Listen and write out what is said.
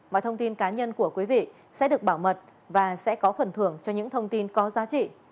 mọi thông tin cá nhân của quý vị sẽ được bảo mật và sẽ có phần thưởng cho những thông tin có giá trị